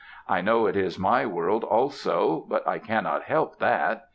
I know it is my world also; but I cannot help that.